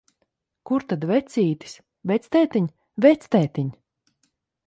Kur tad vecītis? Vectētiņ, vectētiņ!